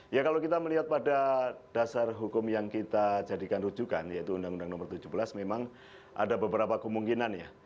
ya kalau kita melihat pada dasar hukum yang kita jadikan rujukan yaitu undang undang nomor tujuh belas memang ada beberapa kemungkinan ya